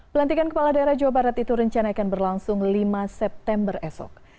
pelantikan kepala daerah jawa barat itu rencana akan berlangsung lima september esok